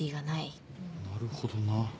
なるほどな。